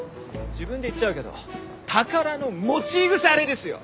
自分で言っちゃうけど宝の持ち腐れですよ！